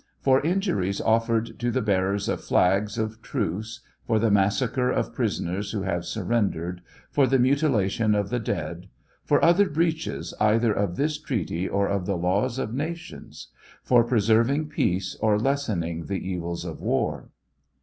For injuries offered to the bearers of flags of truce, for the massacre of prisoners who have, surrendered, for the mutilation of the dead, for other breaches either of this treaty or of the laws of nations ; for preserving peace or lessening the evils of war.